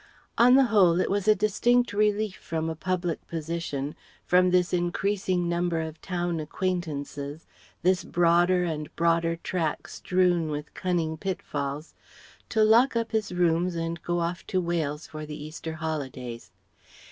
On the whole, it was a distinct relief from a public position, from this increasing number of town acquaintances, this broader and broader track strewn with cunning pitfalls, to lock up his rooms and go off to Wales for the Easter holidays.